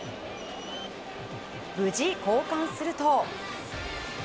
無事、交換すると。